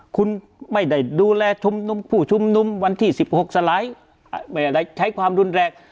คุณไม่ได้ดูแลชุมนุมผู้ชุมนุมวันที่๑๖สลายไม่ได้ใช้ความรุนแรง